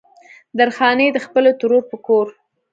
درخانۍ د خپلې ترور په کور